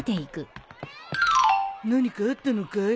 何かあったのかい？